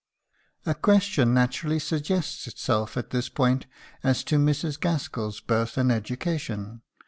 A question naturally suggests itself at this point as to Mrs. Gaskell's birth and education.